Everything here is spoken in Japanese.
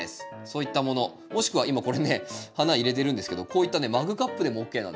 そういったものもしくは今これね花入れてるんですけどこういったねマグカップでもＯＫなんですよ。